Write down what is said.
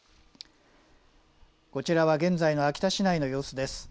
こちらは現在の秋田市内の様子です。